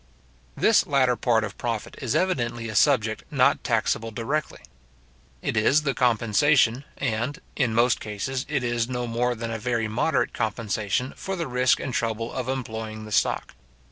This latter part of profit is evidently a subject not taxable directly. It is the compensation, and, in most cases, it is no more than a very moderate compensation for the risk and trouble of employing the stock.